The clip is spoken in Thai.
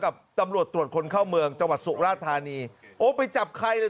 กับตำรวจตรวจคนเข้าเมืองจังหวัดสุราธานีโอ้ไปจับใครเลย